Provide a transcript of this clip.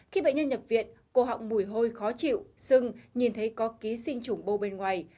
khi bệnh nhân nhập viện cô họng mùi hôi khó chịu sưng nhìn thấy có ký sinh trùng bô bên ngoài